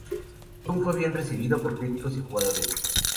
Doom fue bien recibido por críticos y jugadores.